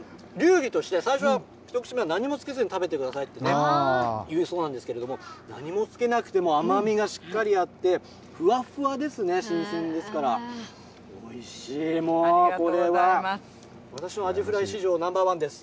最初の一口目は何もつけず食べてくださいというそうなんですが何もつけなくても甘みがしっかりあってふわふわですね、新鮮ですからおいしい、もうこれは私のアジフライ史上ナンバーワンです。